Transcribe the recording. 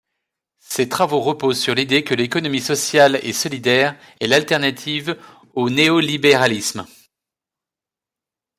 Ses travaux reposent sur l'idée que l’économie sociale et solidaire est l’alternative au néolibéralisme.